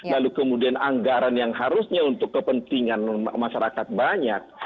lalu kemudian anggaran yang harusnya untuk kepentingan masyarakat banyak